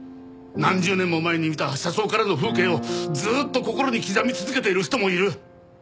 何十年も前に見た車窓からの風景をずーっと心に刻み続けている人もいる。